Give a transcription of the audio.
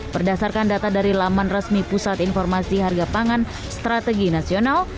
berdasarkan data dari laman resmi pusat informasi harga pangan strategi nasional